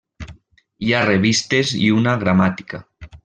Hi ha revistes i una gramàtica.